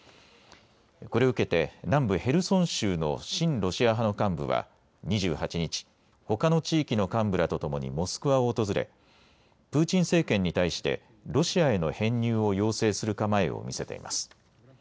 これを受けて南部ヘルソン州の親ロシア派の幹部は２８日、ほかの地域の幹部らとともにモスクワを訪れプーチン政権に対してロシアへの編入を要請する構えを見せています。